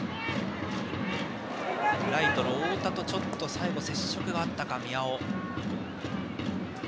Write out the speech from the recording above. ライトの太田と最後、接触があったか宮尾。